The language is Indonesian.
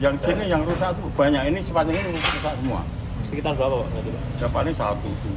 motor banyak gak motor enam